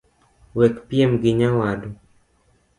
Wekpiem gi nyawadu